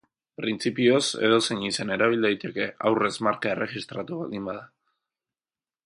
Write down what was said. Printzipioz edozein izen erabil daiteke, aurrez marka erregistratua baldin bada.